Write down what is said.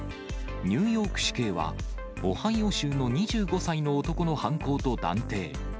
ニューヨーク市警は、オハイオ州の２５歳の男の犯行と断定。